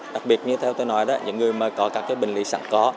đặc biệt như theo tôi nói đó những người mà có các bệnh lý sẵn có